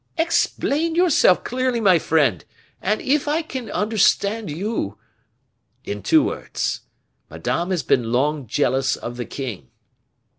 "Explain yourself clearly, my friend; and if I can understand you " "In two words. Madame has been long jealous of the king."